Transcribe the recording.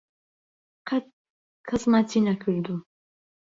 قەت کەس ماچی نەکردووم.